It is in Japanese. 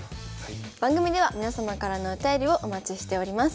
番組では皆様からのお便りをお待ちしております。